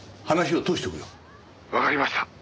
「わかりました」